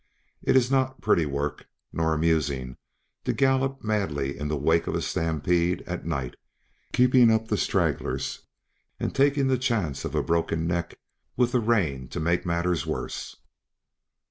It is not pretty work, nor amusing, to gallop madly in the wake of a stampede at night, keeping up the stragglers and taking the chance of a broken neck with the rain to make matters worse.